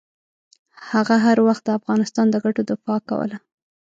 هغه هر وخت د افغانستان د ګټو دفاع کوله.